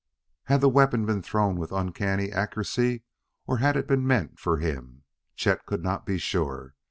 Had the weapon been thrown with uncanny accuracy, or had it been meant for him? Chet could not be sure.